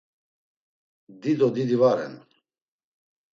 Dido didi va ren.